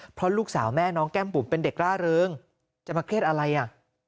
เพราะลูกสาวแม่น้องแก้มบุ๋มเป็นเด็กร่าเริงจะมาเครียดอะไรอ่ะ